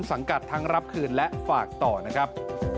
สังกัดทั้งรับคืนและฝากต่อนะครับ